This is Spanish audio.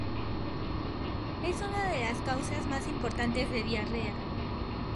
Es una de las causas más importantes de diarrea.